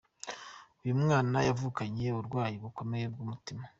Uyu mwana yavukanye uburwayi bukomeye bw'umutima.